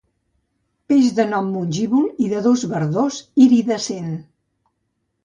Peix de nom mongívol i de dors verdós iridescent.